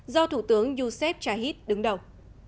do thủ tướng youssef chahid đứng đầu